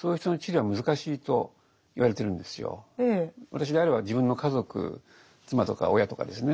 私であれば自分の家族妻とか親とかですね